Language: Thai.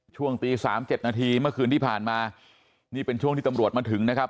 ช่วงตีสามเจ็ดนาทีเมื่อคืนที่ผ่านมานี่เป็นช่วงที่ตำรวจมาถึงนะครับ